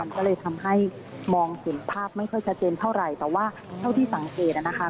ก็เลยทำให้มองเห็นภาพไม่ค่อยชัดเจนเท่าไหร่แต่ว่าเท่าที่สังเกตนะคะ